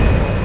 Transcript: ya makasih ya